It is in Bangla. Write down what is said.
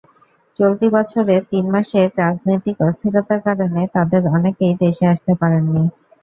চলতি বছরের তিন মাসে রাজনৈতিক অস্থিরতার কারণে তাঁদের অনেকেই দেশে আসতে পারেননি।